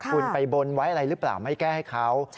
คุณไปบนไว้อะไรหรือเปล่าไม่แก้ให้เขา